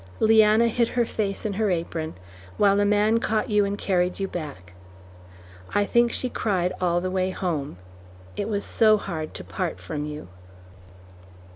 Leanna hid her face in her apron, while a man caught you and carried you back. I think she cried all the way home. It was so hard to part from you.